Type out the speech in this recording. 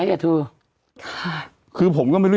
แต่หนูจะเอากับน้องเขามาแต่ว่า